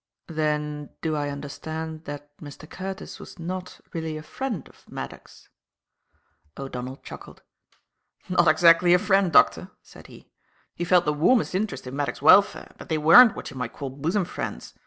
"Then do I understand that Mr. Curtis was not really a friend of Maddock's?" O'Donnell chuckled. "Not exactly a friend, doctor," said he. "He felt the warmest interest in Maddock's welfare, but they weren't what you might call bosom friends.